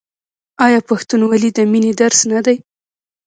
آیا پښتونولي د مینې درس نه دی؟